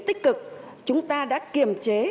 tích cực chúng ta đã kiềm chế